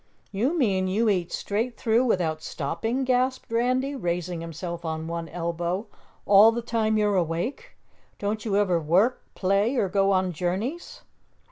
"You mean you eat straight through without stopping?" gasped Randy, raising himself on one elbow. "All the time you're awake? Don't you ever work, play or go on journeys?"